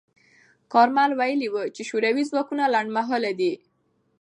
کارمل ویلي و چې شوروي ځواکونه لنډمهاله دي.